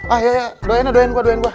ah ya ya doain gua doain gua